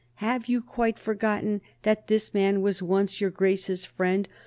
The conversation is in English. "Have you quite forgotten that this man was once your Grace's friend?